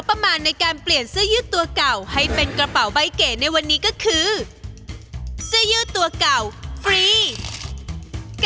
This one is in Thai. อย่างที่เราบอกโรคล้อนคุณผู้ชม